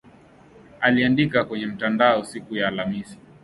aliandika kwenye mtandao siku ya Alhamisi